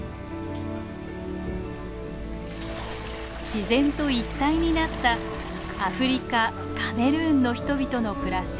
自然と一体になったアフリカ・カメルーンの人々の暮らし。